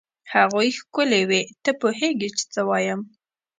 هغوی ښکلې وې؟ ته وپوهېږه چې څه وایم.